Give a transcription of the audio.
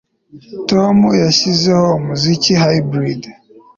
Tom yashyizeho umuziki Hybrid